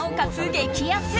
激安。